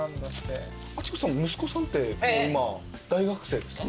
明子さん息子さんってもう今大学生ですか？